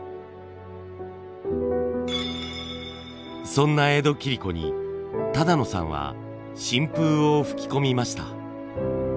そんな江戸切子に但野さんは新風を吹き込みました。